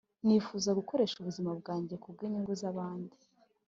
nifuza gukoresha ubuzima bwanjye ku bw’inyungu z’abandi